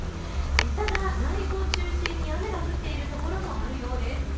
ただ内陸を中心に雨が降っているところもあるようです。